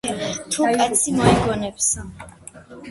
თუ კაცი მოიგონებსა